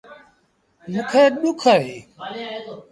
مو کي ڏُک اهي